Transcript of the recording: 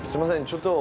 ちょっと。